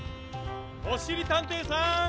・おしりたんていさん！